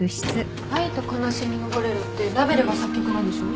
『愛と哀しみのボレロ』ってラヴェルが作曲なんでしょ？